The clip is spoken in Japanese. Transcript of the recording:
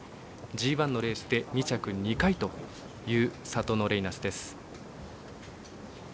ＧＩのレースで２着２回というサトノレイナスです。